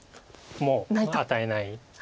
もう与えない。